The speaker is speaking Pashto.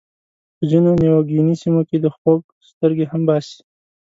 په ځینو نیوګیني سیمو کې د خوک سترګې هم باسي.